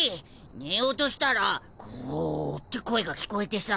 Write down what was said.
寝ようとしたらグオオって声が聞こえてさ。